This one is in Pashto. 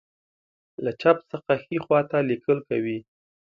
له چپ څخه ښی خواته لیکل کوي.